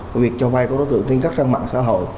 và việc cho vay của đối tượng trên các trang mạng xã hội